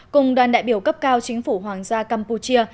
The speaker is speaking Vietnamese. cùng đoàn đại biểu cấp cao chính phủ hoàng gia campuchia